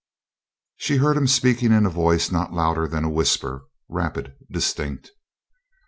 She heard him speaking in a voice not louder than a whisper, rapid, distinct.